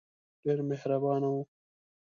ډېر مهربانه وو.